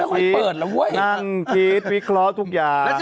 วิเคราะห์ทุกอย่าง